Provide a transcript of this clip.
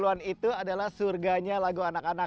sembilan puluh an itu adalah surganya lagu anak anak